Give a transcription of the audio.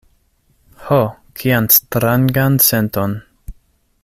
Ho, kian strangan senton!